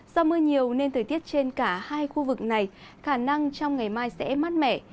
do mưa nhiều nên thời tiết trên cả hai khu vực này khả năng trong ngày mai sẽ mát mẻ